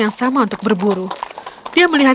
yang sama untuk berburu dia melihat